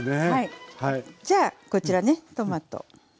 じゃあこちらねトマト。